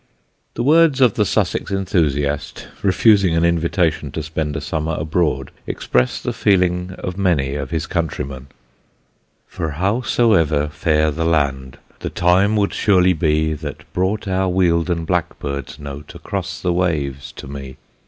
The words of the Sussex enthusiast, refusing an invitation to spend a summer abroad, express the feeling of many of his countrymen: For howsoever fair the land, The time would surely be That brought our Wealden blackbird's note Across the waves to me.